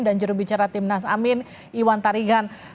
dan jurubicara timnas amin iwan tarigan